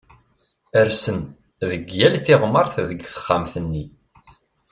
Rsen deg yal tiɣmert deg texxamt-nni